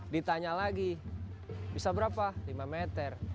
ditanya lagi bisa berapa lima meter